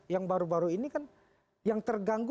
yang baru baru ini kan yang terganggu